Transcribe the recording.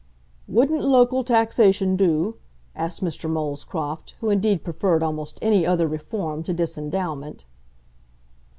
"Wouldn't local taxation do?" asked Mr. Molescroft, who indeed preferred almost any other reform to disendowment.